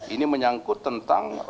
ini menyangkut tentang